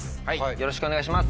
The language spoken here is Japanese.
よろしくお願いします。